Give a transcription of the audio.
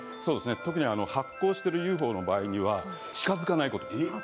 特に発光しているＵＦＯの場合は近づかないこと。